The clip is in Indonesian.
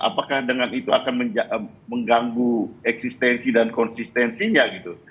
apakah dengan itu akan mengganggu eksistensi dan konsistensinya gitu